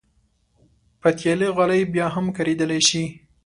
پتېلي غالۍ بیا هم کارېدلی شي.